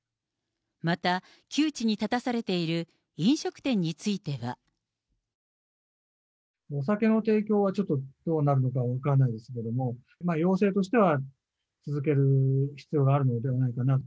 また、窮地に立たされている飲食店については。お酒の提供はちょっとどうなるのか分かんないですけれども、要請としては続ける必要があるのではないかなと。